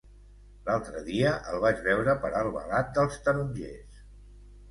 L'altre dia el vaig veure per Albalat dels Tarongers.